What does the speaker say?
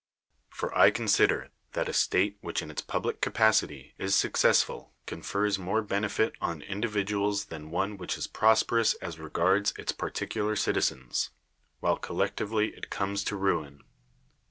For I consider that a state which in its public capacity is suc cessful confers more benefit on individuals than one which is prosperous as regards its particu lar citizens, while collectively it comes to ruin.